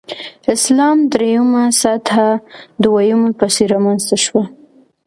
اسلام درېمه سطح دویمې پسې رامنځته شوه.